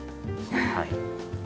はい。